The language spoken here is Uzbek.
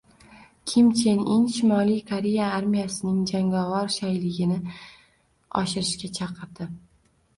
Kim Chen In Shimoliy Koreya armiyasining jangovar shayligini oshirishga chaqirdi